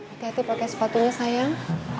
hati hati pakai sepatunya sayang